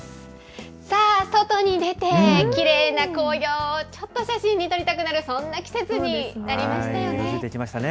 さあ、外に出て、きれいな紅葉をちょっと写真に撮りたくなる、そ色づいてきましたね。